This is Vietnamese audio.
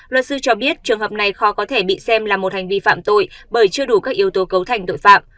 luật sư cho biết trường hợp này khó có thể bị xem là một hành vi phạm tội bởi chưa đủ các yếu tố cấu thành tội phạm